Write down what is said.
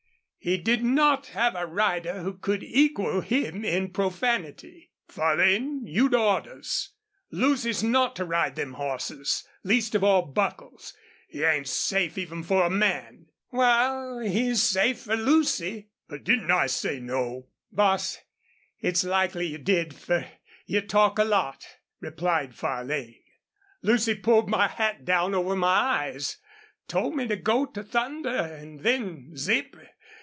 He did not have a rider who could equal him in profanity. "Farlane, you'd orders. Lucy's not to ride them hosses, least of all Buckles. He ain't safe even for a man." "Wal, he's safe fer Lucy." "But didn't I say no?" "Boss, it's likely you did, fer you talk a lot," replied Farlane. "Lucy pulled my hat down over my eyes told me to go to thunder an' then, zip!